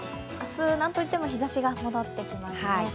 明日、何と言っても日ざしが戻ってきますね。